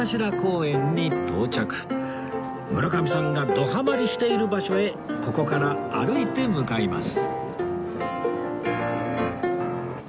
村上さんがどハマりしている場所へここから歩いて向かいます